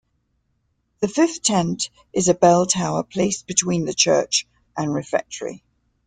The fifth tent is a belltower placed between the church and refectory.